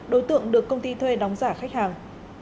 đối tượng được công ty thuê đóng giả khách hàng